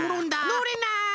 のれない！